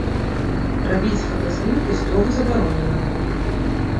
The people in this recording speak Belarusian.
Рабіць фотаздымкі строга забаронена.